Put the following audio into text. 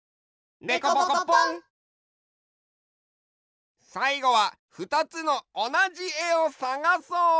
さいごはふたつのおなじえをさがそう！